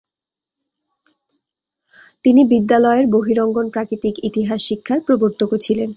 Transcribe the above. তিনি বিদ্যালয়ে বহিরঙ্গন প্রাকৃতিক ইতিহাস শিক্ষার প্রবর্তকও ছিলেন।